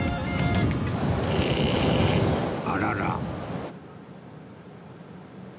あらら